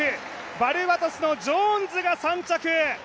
バルバドスのジョーンズが３着。